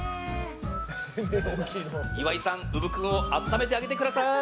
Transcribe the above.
岩井さん、うぶ君を温めてあげてください！